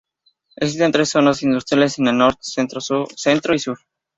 Existen tres zonas industriales: en el Norte, Centro y Sur.